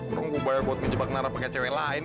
orang gue bayar buat menjebak nara pakai cewek lain